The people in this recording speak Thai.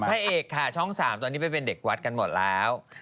พระเอกค่ะช่อง๓ตอนนี้ไปเป็นเด็กวัดกันหมดแล้ว